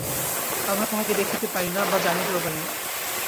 আমরা তাঁহাকে দেখিতে পাই না বা জানিতেও পারি না।